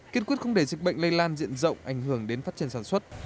kiên quyết không để dịch bệnh lây lan diện rộng ảnh hưởng đến phát triển sản xuất